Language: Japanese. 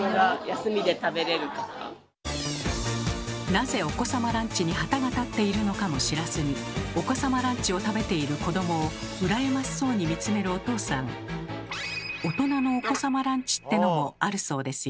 なぜお子様ランチに旗が立っているのかも知らずにお子様ランチを食べている子どもを羨ましそうに見つめるお父さん大人のお子様ランチってのもあるそうですよ。